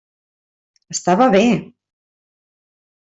Estava bé!